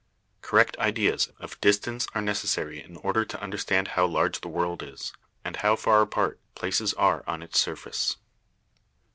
Correct ideas of distance are necessary in order to understand how large the world is, and how far apart places are on its surface.